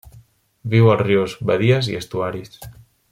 Viu als rius, badies i estuaris.